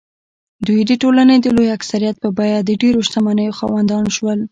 دوی د ټولنې د لوی اکثریت په بیه د ډېرو شتمنیو خاوندان شول.